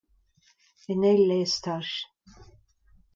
En eil estaj.